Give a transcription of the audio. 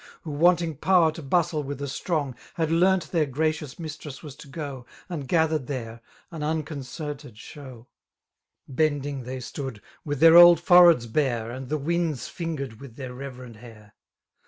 Who wanting powar to bustle with the strong, "^ Had learnt their gracious mistress was to go. And gathered theve, an unconoertad sheW; 4, Bending ttuey «t0od, iirilliHidr old fiMNlieads bare^ And the n^ads ^mgvnA with ^tiieir revonend hftir